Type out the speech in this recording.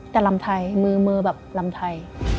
แต่ลำไทยมือมือแบบลำไทย